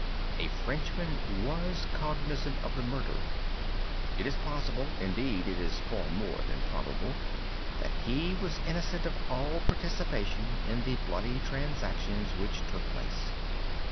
A Frenchman was cognizant of the murder. It is possible—indeed it is far more than probable—that he was innocent of all participation in the bloody transactions which took place.